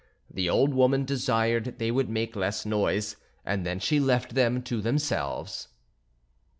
The old woman desired they would make less noise and then she left them to themselves.